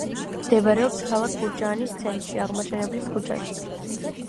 მდებარეობს ქალაქ გურჯაანის ცენტრში, აღმაშენებლის ქუჩაზე.